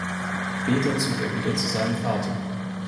Später zog er wieder zu seinem Vater.